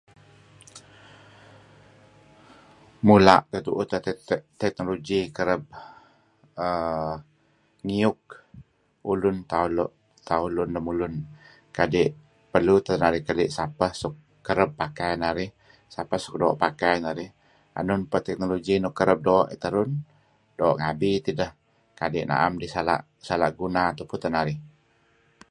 Mula' tuuh-tu'uh teh technology kereb err ngiyuk ulun tauh lun lemulun kadi' perlu teh narih keli' sapeh teh suk kereb pakai narih, kapeh suk doo' pakai narih. Enun peh technology nuk doo' terun doo' terun, doo' ngabi tideh kadi' idih am sala' guna dih tupu teh narih.